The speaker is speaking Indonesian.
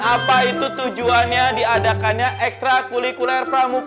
apa itu yang harus dilakukan untuk memakai seragam pramuka ya jadi kita akan membuat perubahan untuk